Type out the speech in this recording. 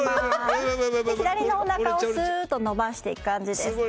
左のおなかをすっと伸ばしていく感じです。